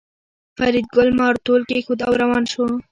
فریدګل مارتول کېښود او روان شو